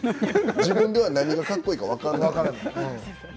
自分では何がかっこいいか分からない。